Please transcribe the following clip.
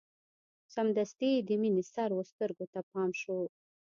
سمدستي يې د مينې سرو سترګو ته پام شو.